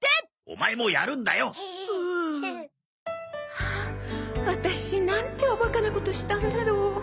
ああワタシなんておバカなことしたんだろう